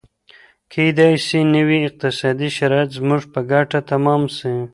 کیدای سي نوي اقتصادي شرایط زموږ په ګټه تمام سي.